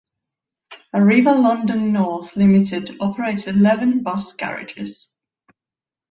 Arriva London North Limited operates eleven bus garages.